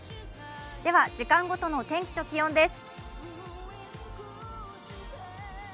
では時間ごとの天気と気温です。